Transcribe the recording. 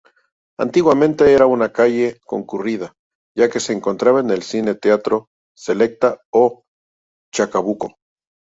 Antiguamente era una calle concurrida, ya que se encontraba el cine-teatro Selecta o Chacabuco.